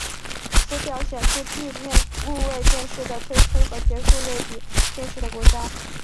此表显示地面数位电视的推出和结束类比电视的国家。